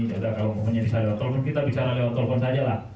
tidak ada kalau mempunyai bisa lewat telepon kita bisa lewat telepon saja lah